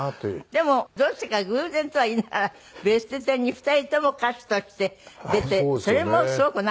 でもどうしてか偶然とは言いながら『ベストテン』に２人とも歌手として出てそれもすごく。